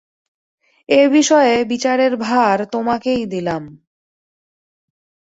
এ বিষয়ে বিচারের ভার তোমাকেই দিলাম।